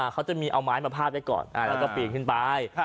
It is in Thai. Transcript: เขาจะมีเอาไม้มาพาดไว้ก่อนแล้วก็ปีนขึ้นไป